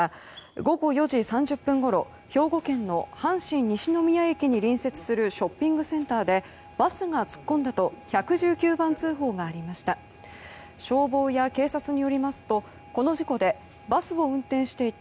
午後４時３０分ごろ兵庫県の阪神西宮駅に隣接するショッピングセンターでバスが突っ込んだと１１９番通報がありました。